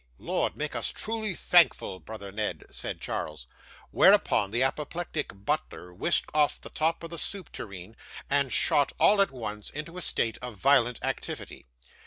'Lord, make us truly thankful, brother Ned,' said Charles. Whereupon the apoplectic butler whisked off the top of the soup tureen, and shot, all at once, into a state of violent activity.